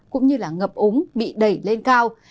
cũng như ngập úng bị đẩy lên cao